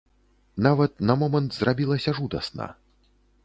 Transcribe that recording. Нават на момант зрабілася жудасна.